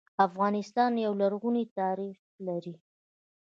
افغانستان يو لرغونی تاريخ لري